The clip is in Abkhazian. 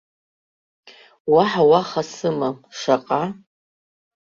Уаҳа уаха сымам, шаҟа?